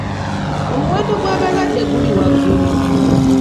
Omuwendo gw'abalwadde guli waggulu.